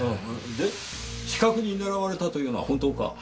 で刺客に狙われたというのは本当か？